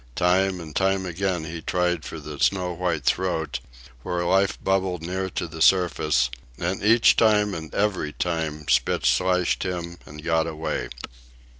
Time and time again he tried for the snow white throat, where life bubbled near to the surface, and each time and every time Spitz slashed him and got away.